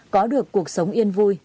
có được cuộc sống yên vui